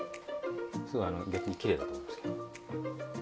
すごい逆にきれいだと思いますけど。